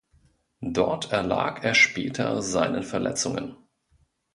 Dort erlag er später seinen Verletzungen.